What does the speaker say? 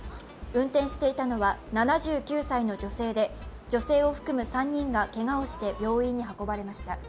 運転していたのは７９歳の女性で、女性を含む３人がけがをして病院に運ばれました。